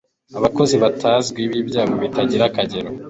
Abakozi batazwi bibyago bitagira akagero